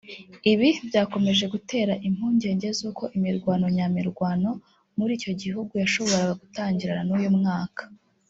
Ibi byakomeje gutera impungenge zuko imirwano nya mirwano muri icyo gihugu yashoboraga gutangirana n’uyu mwaka